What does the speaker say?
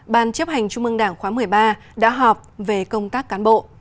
ban chấp hành trung mương đảng khóa một mươi ba đã họp về công tác cán bộ